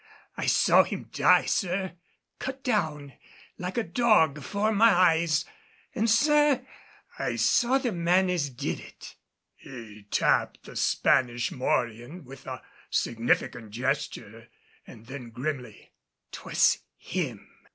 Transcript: I saw him die, sir, cut down like a dog afore my eyes. An', sir, I saw the man as did it." He tapped the Spanish morion with a significant gesture, and then grimly, "'Twas him!"